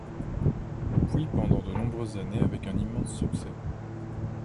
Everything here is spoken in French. Puis pendant de nombreuses années avec un immense succès.